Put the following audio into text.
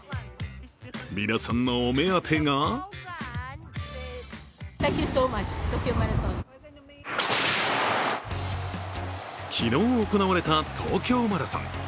皆さんのお目当てが昨日行われた東京マラソン。